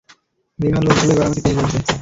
বীমার লোকগুলো এবার আমাকে পেয়ে বসবে!